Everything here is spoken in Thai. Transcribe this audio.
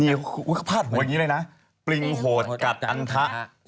เขาพาดหัวอย่างนี้เลยนะปริงโหดกัดอันทะ